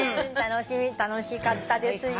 楽しかったですよ。